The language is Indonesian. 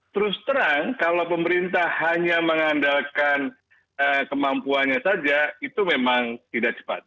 terus terang kalau pemerintah hanya mengandalkan kemampuannya saja itu memang tidak cepat